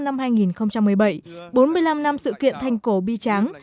bốn mươi năm năm sự kiện thành cổ bi tráng